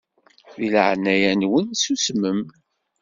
Di leɛnaya-nwen susmem.